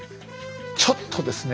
ちょっとですね